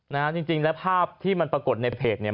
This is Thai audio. นะฮะจริงจริงแล้วภาพที่มันปรากฏในเพจเนี่ย